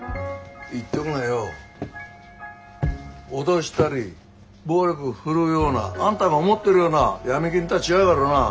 言っとくがよ脅したり暴力振るうようなあんたが思ってるような闇金とは違うからな。